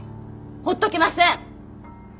ほっとけません！